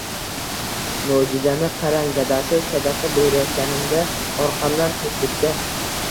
Mo``jizani qarang dadasi, sadaqa berayotganimda, orqamdan tezlikda